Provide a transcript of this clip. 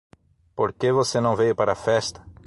Por que você não veio para a festa?